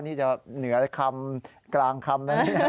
นี่จะเหนือคำกลางคำนะ